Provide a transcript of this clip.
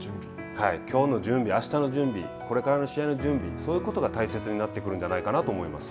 きょうの準備、あしたの準備、これからの試合の準備、そういうことが大切になってくるんじゃないかなと思います。